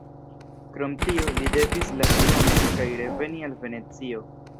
Krom tio, li devis lasi Romon kaj reveni al Venecio.